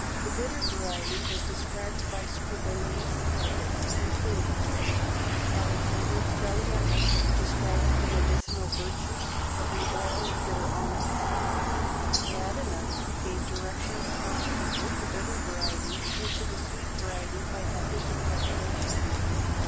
The bitter variety was described by Scribonius Largus and Plinius. Alexander Trallianus described the medicinal virtues of the oil of bitter almonds. Palladinus gave directions how to convert the bitter variety into the sweet variety by methods of cultivation.